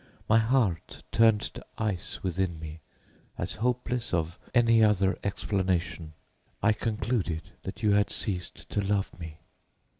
My heart turned to ice within me as, hopeless of any other explanation, I concluded that you had ceased to love me.